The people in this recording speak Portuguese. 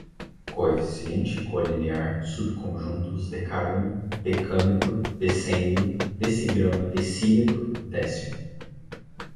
coeficiente, colinear, subconjuntos, decágono, decâmetro, decênio, decigrama, decímetro, décimo